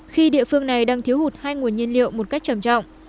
khi địa phương này đang thiếu hụt hai nguồn nhiên liệu một cách trầm trọng